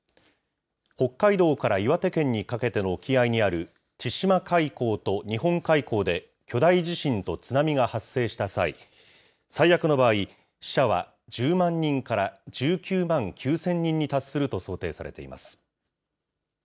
北海道から岩手県にかけての沖合にある千島海溝と日本海溝で巨大地震と津波が発生した際、最悪の場合、死者は１０万人から１９万９０００人に達すると想定されています。